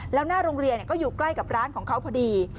แล้วหน้าโรงเรียนก็อยู่ใกล้กับร้านของเขาพอดี